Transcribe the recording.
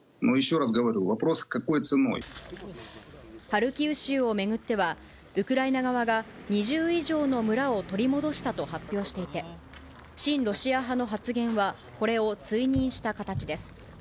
ハルキウ州を巡っては、ウクライナ側が２０以上の村を取り戻したと発表していて、親ロシア派の発言は、これを追認した形です。